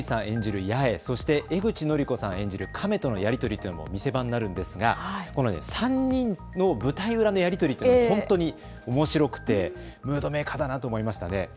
演じる八重、そして江口のり子さん演じる亀とのやり取りというのも見せ場になるのですが３人の舞台裏のやり取りというのも本当におもしろくてムードメーカーだなと思いましたね。